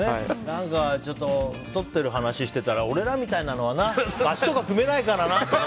何か太ってる話してたら俺らみたいなのはな足とか組めないからなとか。